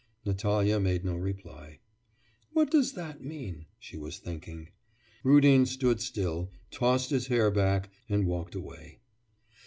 Natalya made no reply. 'What does that mean?' she was thinking. Rudin stood still, tossed his hair back, and walked away.